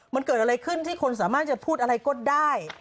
มันเกิดอะไรขึ้นที่คนสามารถจะพูดอะไรก็ได้